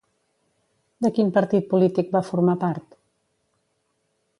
De quin partit polític va formar part?